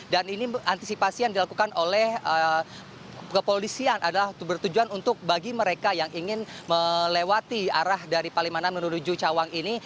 dan ini antisipasi yang dilakukan oleh kepolisian adalah bertujuan untuk bagi mereka yang ingin melewati arah dari palimanam menuju cawang ini